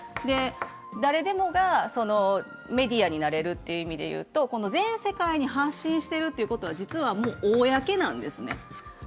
誰でもがメディアになれるという意味で言うと、全世界に発信してるということはもう公なんですね。